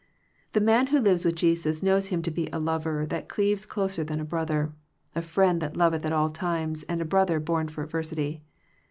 The man who lives with Jesus knows Him to be a Lover that cleaves closer than a brother, a Friend that loveth at all times, and a Brother born for adversity.